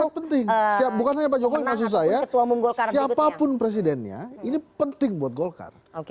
sangat penting siap bukan hanya pak jokowi maksud saya siapapun presidennya ini penting buat golkar